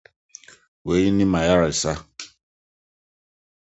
Eyi ne me ayaresa.